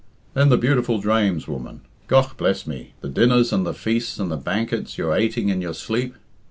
Then the beautiful drames, woman! Gough bless me, the dinners and the feasts and the bankets you're ateing in your sleep!